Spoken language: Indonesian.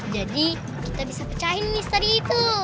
jadi kita bisa percayain nis tadi itu